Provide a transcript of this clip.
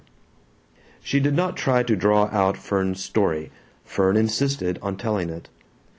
She did not try to draw out Fern's story; Fern insisted on telling it.